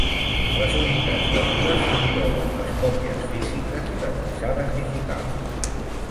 Les unitats venudes inclouen les còpies físiques i les baixades digitals.